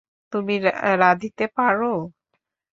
তুমি রাঁধিতে পার?